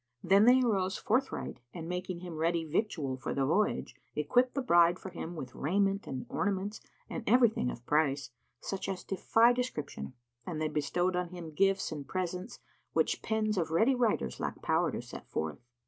Then they arose forthright and making him ready victual for the voyage, equipped the bride for him with raiment and ornaments and everything of price, such as defy description, and they bestowed on him gifts and presents which pens of ready writers lack power to set forth.